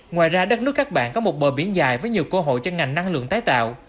ngoài ra đất nước các bạn có một bờ biển dài với nhiều cơ hội cho ngành năng lượng tái tạo